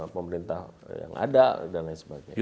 pemerintah yang ada dan lain sebagainya